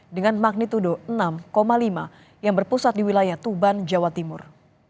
dengan magnitudo enam lima yang berpusat di wilayah tuban jawa timur